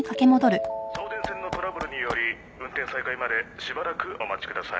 「送電線のトラブルにより運転再開までしばらくお待ちください」